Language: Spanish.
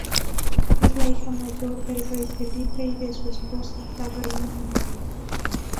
Es la hija mayor del rey Felipe y de su esposa, la reina Matilde.